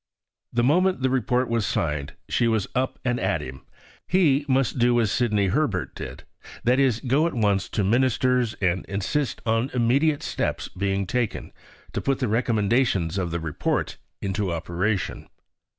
The moment the Report was signed she was up and at him. He must do as Sidney Herbert did; that is, go at once to Ministers and insist on immediate steps being taken to put the recommendations of the Report into operation.